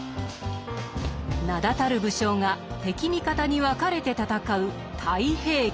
名だたる武将が敵味方に分かれて戦う「太平記」。